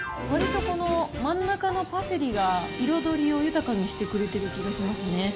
わりと真ん中のパセリが彩りを豊かにしてくれてる気がしますね。